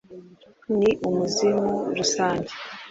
ni umuzimu rusange